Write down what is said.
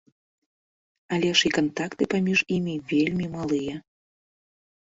Але ж кантакты паміж імі вельмі малыя.